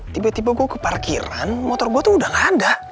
tiba tiba gua ke parkiran motor gua tuh udah enggak ada